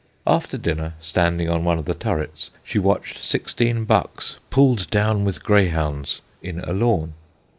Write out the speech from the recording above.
After dinner, standing on one of the turrets she watched sixteen bucks "pulled down with greyhounds" in a lawn.